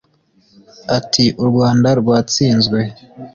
ati "U Rwanda rwatsinzwe